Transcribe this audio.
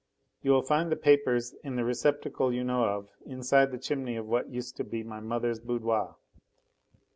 You will find the papers in the receptacle you know of inside the chimney of what used to be my mother's boudoir.